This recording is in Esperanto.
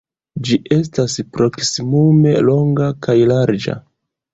Ĝi estas proksimume longa kaj larĝa.